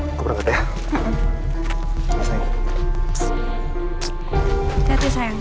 aku perangkat ya